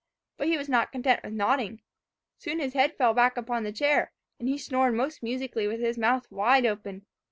But he was not content with nodding. Soon his head fell back upon the chair, and he snored most musically, with his mouth wide open.